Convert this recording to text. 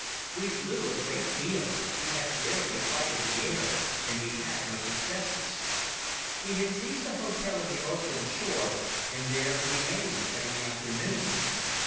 We flew a great deal, we had rarely a fight in the air and we had no successes. We had seized a hotel on the Ostend shore, and there we bathed every afternoon.